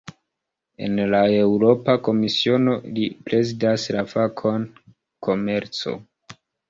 En la Eŭropa Komisiono, li prezidas la fakon "komerco".